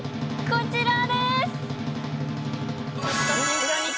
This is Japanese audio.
こちらです。